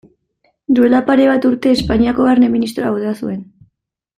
Duela pare bat urte Espainiako Barne ministroak bota zuen.